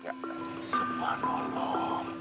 ah surat siap kau